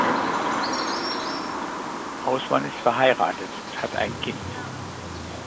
Hausmann ist verheiratet und hat ein Kind.